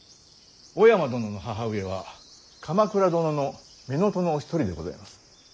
小山殿の母上は鎌倉殿の乳母のお一人でございます。